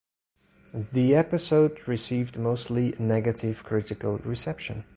The episode received mostly negative critical reception.